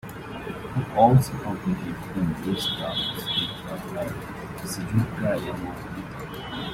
He also competed in mixed doubles with partner Shizuka Yamamoto.